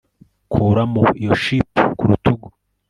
kuramo iyo chip ku rutugu